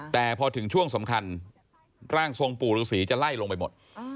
แต่พอถึงช่วงสำคัญร่างทรงปู่ฤษีจะไล่ลงไปหมด